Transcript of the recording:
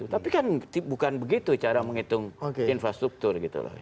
tapi kan bukan begitu cara menghitung infrastruktur